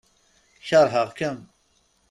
Keṛheɣ-kem.